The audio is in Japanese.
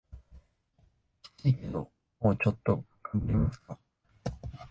キツいけどもうちょっと頑張りますか